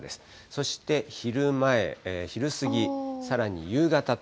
そして昼前、昼過ぎ、さらに夕方と。